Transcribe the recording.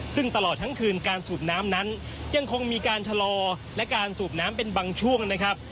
ซึ่งตลอดทั้งคืนการสูบน้ำนั้นยังคงมีการชะลอและการสูบน้ำเป็นบางช่วงนะครับ